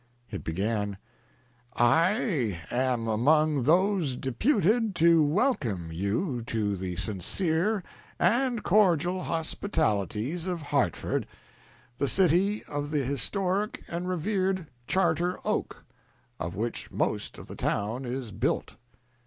He began: "I am among those deputed to welcome you to the sincere and cordial hospitalities of Hartford, the city of the historic and revered Charter Oak, of which most of the town is built."